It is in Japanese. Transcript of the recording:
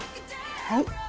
はい。